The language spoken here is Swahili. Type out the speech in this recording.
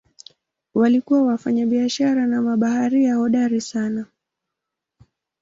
Walikuwa wafanyabiashara na mabaharia hodari sana.